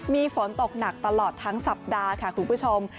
มีฝนตกหนักตลอดทั้งสัปดาห์ค่ะคุณผู้ชม